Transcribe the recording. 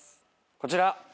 こちら。